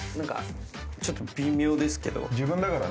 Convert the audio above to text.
自分だからね。